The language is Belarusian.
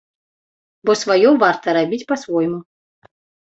Бо сваё варта рабіць па-свойму.